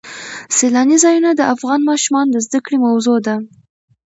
سیلاني ځایونه د افغان ماشومانو د زده کړې موضوع ده.